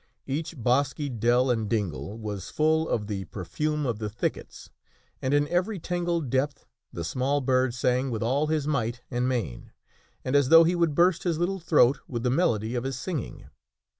Each bosky dell and dingle was full of the perfume of the thickets, and in every tangled depth the small bird sang with all his might and main, and as though he would burst his little throat with the melody of his singing.